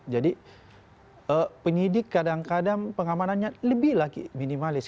jadi penyidik kadang kadang pengamanannya lebih lagi minimalis